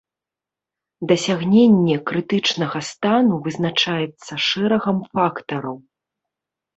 Дасягненне крытычнага стану вызначаецца шэрагам фактараў.